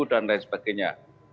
dan lain sebagainya